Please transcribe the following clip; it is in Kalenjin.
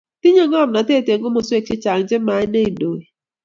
tinyei kimnatet eng' komoswek chechang' chamait ne indoi.